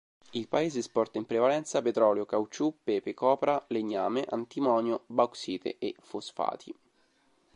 Il paese esporta in prevalenza petrolio, caucciù, pepe, copra, legname, antimonio, bauxite e fosfati.